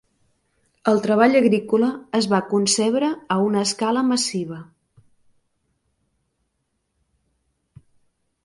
El treball agrícola es va concebre a una escala massiva.